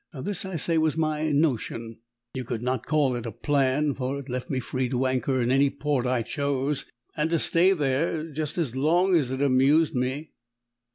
This, I say, was my notion: you could not call it a plan, for it left me free to anchor in any port I chose, and to stay there just as long as it amused me.